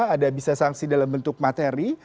ada bisa sanksi dalam bentuk materi